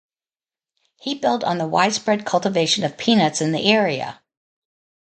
He built on the widespread cultivation of peanuts in the area.